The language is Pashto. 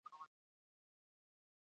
د دې سيمې طبیعي ښکلا ډېره په زړه پورې ده.